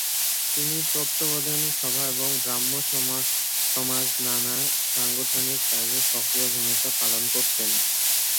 তিনি তত্ত্ববোধিনী সভা এবং ব্রাহ্মসমাজ নানা সাংগঠনিক কাজে সক্রিয় ভূমিকা পালন করতেন।